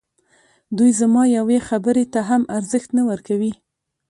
دوی زما یوې خبري ته هم ارزښت نه ورکوي.